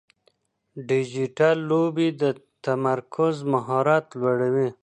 ډیجیټل لوبې د تمرکز مهارت لوړوي.